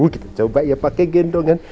kita coba ya pakai gendongan